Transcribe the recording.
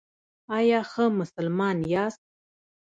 ایا ښه مسلمان یاست؟